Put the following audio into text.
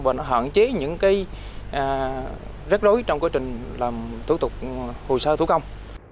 và nó hạn chế những cái rắc rối trong quá trình làm thủ tục hồ sơ thủ công